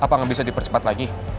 apa nggak bisa dipercepat lagi